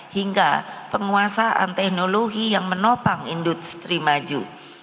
hingga penguasaan teknologi yang menopang industri maju